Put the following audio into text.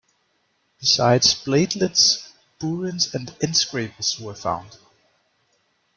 Besides bladelets, burins and end-scrapers were found.